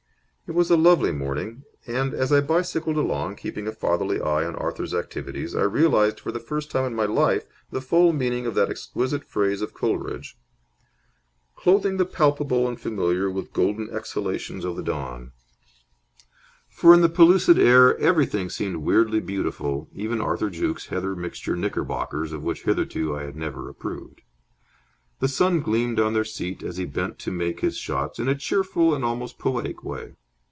It was a lovely morning, and, as I bicycled along, keeping a fatherly eye on Arthur's activities, I realized for the first time in my life the full meaning of that exquisite phrase of Coleridge: "Clothing the palpable and familiar With golden exhalations of the dawn," for in the pellucid air everything seemed weirdly beautiful, even Arthur Jukes' heather mixture knickerbockers, of which hitherto I had never approved. The sun gleamed on their seat, as he bent to make his shots, in a cheerful and almost a poetic way.